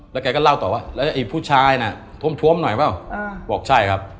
แล้วแกก็เล่าต่อตัวว่าไอ้ผู้ชายน่ะถวมหน่อยปะวะบอกใช่ครับ